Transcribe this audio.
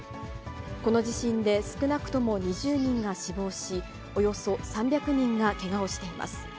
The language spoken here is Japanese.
この地震で少なくとも２０人が死亡し、およそ３００人がけがをしています。